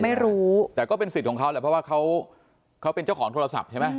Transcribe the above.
ไม่รู้แต่ก็เป็นสิทธิ์ของเขาแหละเพราะว่าเขาเป็นเจ้าของโทรศัพท์ใช่ไหม